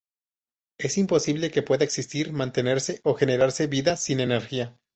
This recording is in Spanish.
Es imposible que pueda existir, mantenerse o generarse vida sin energía.